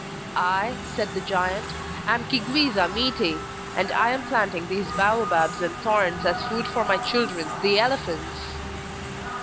'I,' said the giant, 'am Chi gwisa miti, and I am planting these bao babs and thorns as food for my children the elephants.